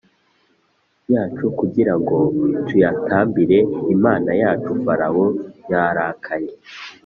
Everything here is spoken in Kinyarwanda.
yacu kugira ngo tuyatambire Imana yacu Farawo yararakaye